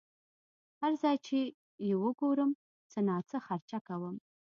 هر ځای چې یې وګورم څه ناڅه خرچه کوم.